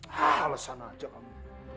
ah alesan aja kamu